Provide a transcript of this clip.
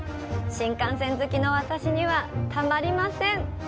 新幹線好きの私にはたまりません。